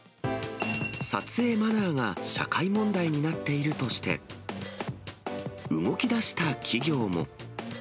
撮影マナーが社会問題になっているとして、動きだした企業も。